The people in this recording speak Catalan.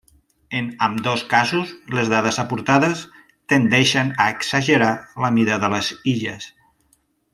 En ambdós casos les dades aportades tendeixen a exagerar la mida de les illes.